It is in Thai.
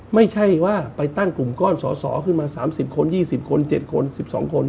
ไม่ใช่ว่าไปตั้งกลุ่มก้อนสอสอขึ้นมา๓๐คน๒๐คน๗คน๑๒คน